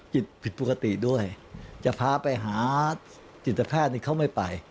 ผิดปกติด้วยจะพาไปหาจิตแพทย์นี่เขาไม่ไป